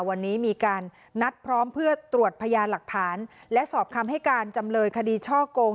วันนี้มีการนัดพร้อมเพื่อตรวจพยานหลักฐานและสอบคำให้การจำเลยคดีช่อกง